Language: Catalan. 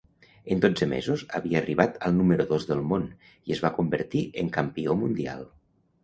En dotze mesos havia arribat al número dos del món i es va convertir en campió mundial.